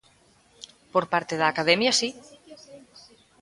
Por parte da Academia si.